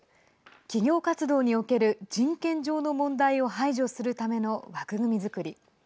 企業活動における人権上の問題を排除するための枠組み作り。